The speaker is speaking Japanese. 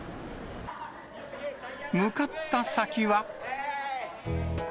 向かった先は。